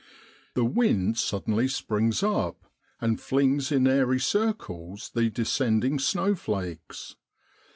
The wind suddenly springs up and flings in airy circles the descending snow flakes.